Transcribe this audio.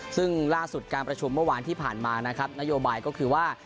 ซึ่งล่าสุดการประชุมเมื่อวานที่ผ่านมานะครับนโยบายก็คือว่า